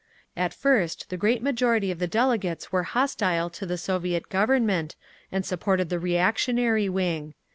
At first the great majority of the delegates were hostile to the Soviet Government, and supported the reactionary wing.